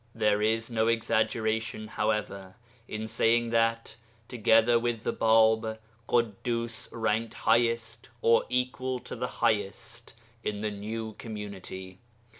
There is no exaggeration, however, in saying that, together with the Bāb, Ḳuddus ranked highest (or equal to the highest) in the new community.